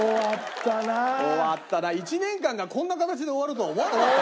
終わったな１年間がこんな形で終わるとは思わなかった。